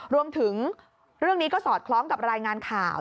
รวมถึงเรื่องนี้ก็สอดคล้องกับรายงานข่าว